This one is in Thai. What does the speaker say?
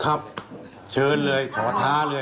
ครับเชิญเลยขอท้าเลย